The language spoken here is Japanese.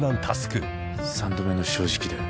「三度目の正直だよ」